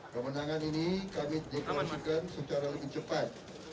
kemenangan ini kami deklarasikan secara lebih cepat